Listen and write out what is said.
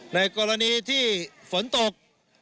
เมื่อกรณีที่ฝนตก